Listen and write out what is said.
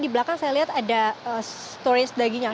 pak ini saya di belakang saya lihat ada storage dagingnya